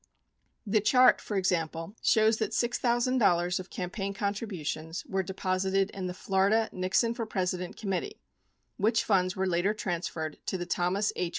The chart, for example, shows that $6,000 of campaign contributions were deposited in the Florida Nixon for President Committee, which funds were later transferred to the Thomas H.